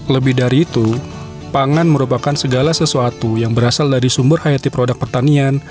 lebih dari itu pangan merupakan segala sesuatu yang berasal dari sumber hayati produk pertanian